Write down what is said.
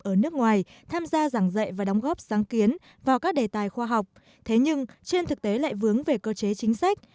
ở nước ngoài tham gia giảng dạy và đóng góp sáng kiến vào các đề tài khoa học thế nhưng trên thực tế lại vướng về cơ chế chính sách